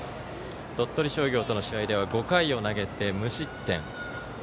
鳥取商業との試合では５回を投げて無失点。